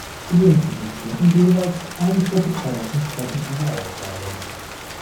Sie implementieren jeweils ein Protokoll entsprechend ihrer Aufgabe.